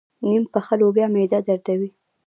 نيم پخه لوبیا معده دردوي.